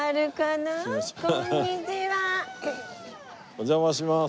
お邪魔します。